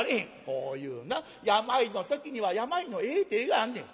「こういうな病の時には病のええ手があんねん」。